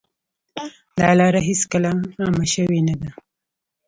دا لاره هېڅکله عامه شوې نه ده.